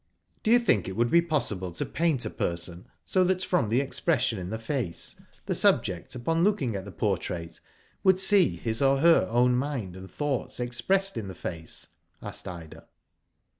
Do you think it would be possible to paint a person sio that from the expression in the face, the subject, upon looking at the portrait, would see his or her own mind and thoughts ex pressed in the face?" asked Ida.